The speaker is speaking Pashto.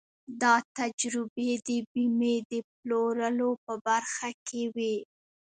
دا تجربې د بيمې د پلورلو په برخه کې وې.